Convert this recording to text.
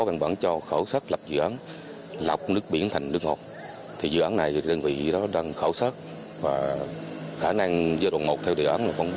còn bốn năm trăm linh mét khối một ngày đêm